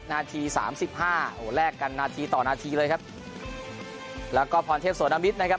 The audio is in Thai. นาทีสามสิบห้าโอ้โหแลกกันนาทีต่อนาทีเลยครับแล้วก็พรเทพสวนมิตรนะครับ